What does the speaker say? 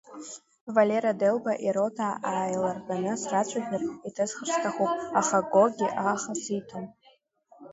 Валера Делба ирота ааилартәаны срацәажәар, иҭысхыр сҭахуп, аха Гоги аха сиҭом…